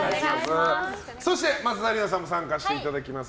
そして、松田里奈さんも参加していただきます。